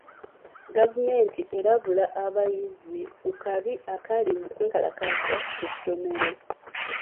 Gavumenti erabula abayizi ku kabi akali mu kwekalakaasa ku ssomero.